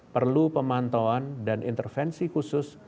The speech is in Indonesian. perlu pemantauan dan intervensi khusus